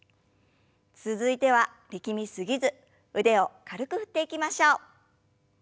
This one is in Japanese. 続いては力み過ぎず腕を軽く振っていきましょう。